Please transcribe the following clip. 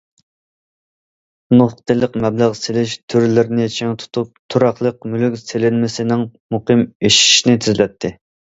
نۇقتىلىق مەبلەغ سېلىش تۈرلىرىنى چىڭ تۇتۇپ، تۇراقلىق مۈلۈك سېلىنمىسىنىڭ مۇقىم ئېشىشىنى تېزلەتتى.